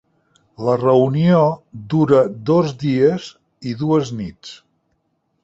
La reunió dura dos dies i dues nits.